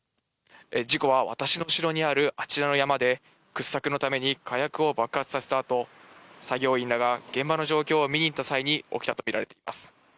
事故は私の後ろにあるあちらの山で掘削のために火薬を爆発させた後、作業員らが現場の状況を見に行った際に起きたとみられています。